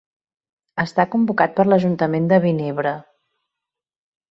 Està convocat per l'ajuntament de Vinebre.